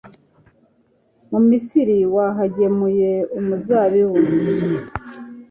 mu misiri wahagemuye umuzabibu